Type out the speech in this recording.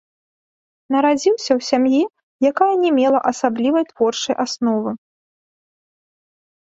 Нарадзіўся ў сям'і, якая не мела асаблівай творчай асновы.